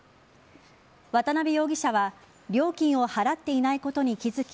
渡辺容疑者は料金を払っていないことに気づき